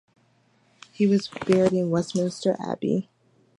He was buried in Westminster Abbey.